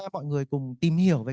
mọi người cùng tìm hiểu về